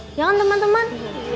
ini juga mau kami cari kang